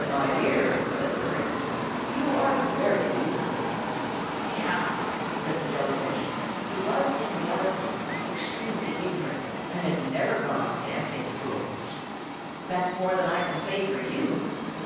"My dear," said the Prince, "you are very beautiful." "Yah!" said the jelly fish (who was in reality extremely ignorant, and had never gone to dancing school), "that's more than I can say for you!"